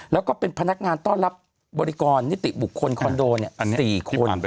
แล้วก็เป็นพนักงานต้อนรับบริกรนิติบุคคลคอนโด๔คน